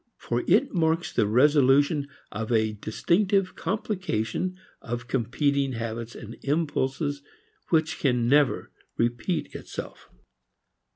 For it marks the resolution of a distinctive complication of competing habits and impulses which can never repeat itself.